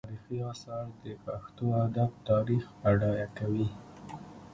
د غور تاریخي اثار د پښتو ادب تاریخ بډایه کوي